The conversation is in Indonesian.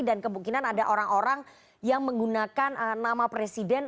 dan kemungkinan ada orang orang yang menggunakan nama presiden